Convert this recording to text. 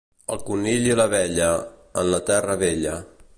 El conill i l'abella, en la terra vella.